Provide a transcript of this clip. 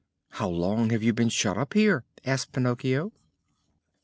"And how long have you been shut up here?" asked Pinocchio.